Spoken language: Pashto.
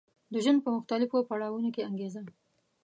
د ژوند په مختلفو پړاوونو کې انګېزه